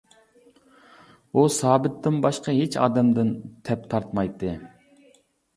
ئۇ سابىتتىن باشقا ھېچ ئادەمدىن تەپ تارتمايتتى.